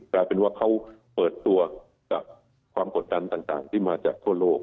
กลายเป็นว่าเขาเปิดตัวกับความกดดันต่างที่มาจากทั่วโลก